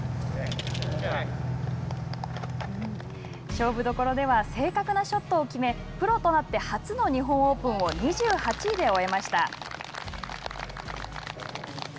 勝負どころでは正確なショットを決めプロとなって初の日本オープンを２８位で終えました。